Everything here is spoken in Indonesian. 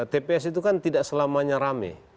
tps itu kan tidak selamanya rame